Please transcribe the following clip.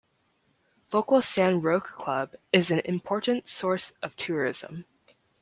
Local San Roque Club is an important source of tourism.